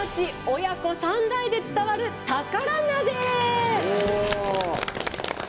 親子三代で伝わる宝鍋！」。